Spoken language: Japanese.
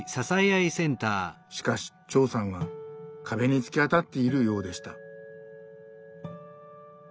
しかし長さんは壁に突き当たっているようでした。